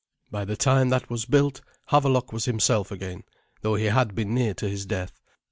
By the time that was built Havelok was himself again, though he had been near to his death.